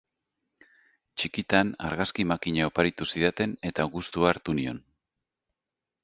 Txikitan argazki makina oparitu zidaten eta gustua hartu nion.